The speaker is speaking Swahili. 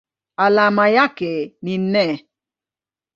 Alama yake ni Ne.